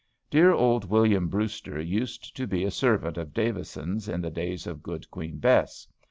Dear old William Brewster used to be a servant of Davison's in the days of good Queen Bess.